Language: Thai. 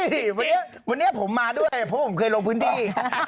เห้วเฮ้ววันนี้ผมมาด้วยเพราะว่าผมเคยลงพื้นที่